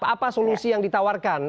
apa solusi yang ditawarkan